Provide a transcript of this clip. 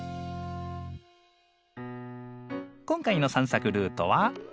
今回の散策ルートは１号路。